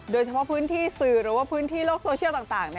โดยเฉพาะพื้นที่สื่อหรือว่าพื้นที่โลกโซเชียลต่าง